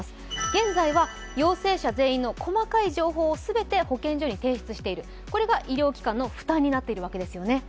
現在は陽性者全員の細かい情報を全部提出している、これが医療機関の負担になっているわけですよね。